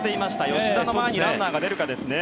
吉田の前にランナーが出るかですね。